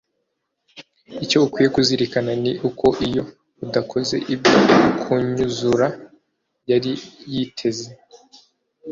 Icyo ukwiriye kuzirikana ni uko iyo udakoze ibyo ukunnyuzura yari yiteze